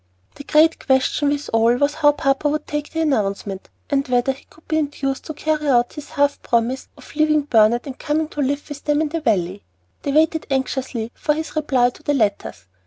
The great question with all was how papa would take the announcement, and whether he could be induced to carry out his half promise of leaving Burnet and coming to live with them in the Valley. They waited anxiously for his reply to the letters.